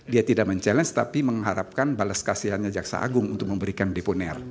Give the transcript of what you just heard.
dia tidak mencabar tapi mengharapkan balas kasihannya jaksa agung untuk memberikan deponer